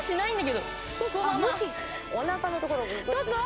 おなかのところ。